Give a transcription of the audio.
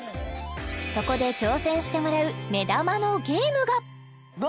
そこで挑戦してもらう目玉のゲームが何？